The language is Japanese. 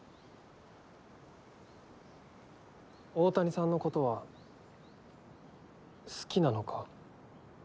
大谷さんのことは好きなのか？